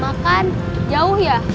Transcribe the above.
makan jauh ya